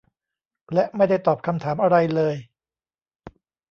และไม่ได้ตอบคำถามอะไรเลย